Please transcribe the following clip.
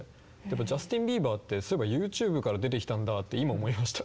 ジャスティン・ビーバーってそういえばＹｏｕＴｕｂｅから出てきたんだって今思いました。